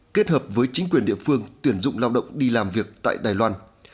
kết hợp với chính quyền địa phương tuyển dụng lao động đi làm việc tại đài loan